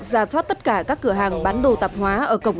ra soát tất cả các cửa hàng bán đồ tập trung